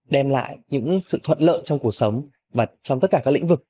đem lại những sự thuận lợi trong cuộc sống và trong tất cả các lĩnh vực